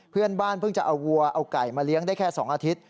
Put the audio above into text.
เพื่อนบ้านเพิ่งจะเอาวัวเอาไก่มาเลี้ยงได้แค่๒อาทิตย์